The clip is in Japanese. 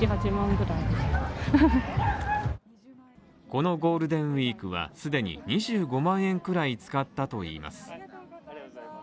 このゴールデンウィークは既に２５万円くらい使ったといいます。